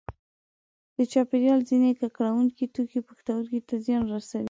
د چاپیریال ځینې ککړوونکي توکي پښتورګو ته زیان رسوي.